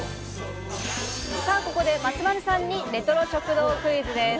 ここで松丸さんにレトロ食堂クイズです。